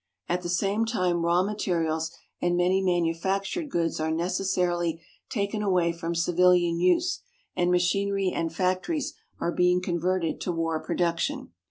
At the same time raw materials and many manufactured goods are necessarily taken away from civilian use, and machinery and factories are being converted to war production.